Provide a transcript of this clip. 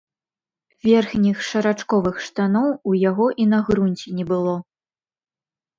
Верхніх шарачковых штаноў у яго і на грунце не было.